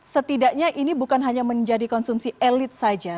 setidaknya ini bukan hanya menjadi konsumsi elit saja